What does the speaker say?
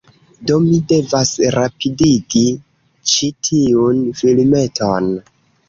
Do mi devas rapidigi ĉi tiun filmeton.